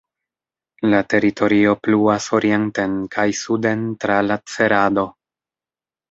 La teritorio pluas orienten kaj suden tra la Cerado.